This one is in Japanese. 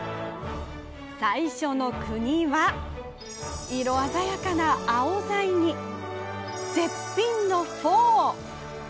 最初の国は色鮮やかなアオザイに絶品のフォー。